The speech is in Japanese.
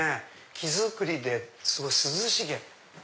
木造りですごい涼しげ。